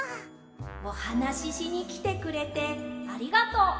おはなししにきてくれてありがとう。